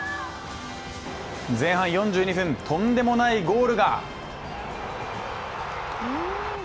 前半４２分、とんでもないゴールが。